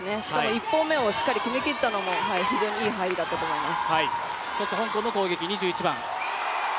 １本目をしっかり決めきったのも非常にいい入りだったと思います